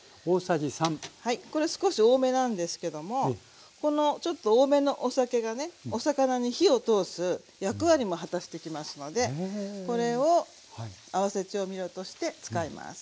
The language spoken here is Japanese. これ少し多めなんですけどもこのちょっと多めのお酒がねお魚に火を通す役割も果たしてきますのでこれを合わせ調味料として使います。